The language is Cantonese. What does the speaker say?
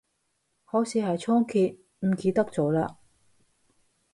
好似係倉頡，唔記得咗嘞